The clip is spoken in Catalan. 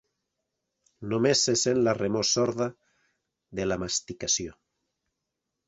Només se sent la remor sorda de la masticació.